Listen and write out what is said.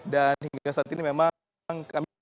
dan hingga saat ini memang